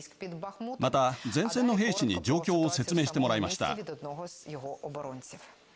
また、前線の兵士に状況を説明してもらいました。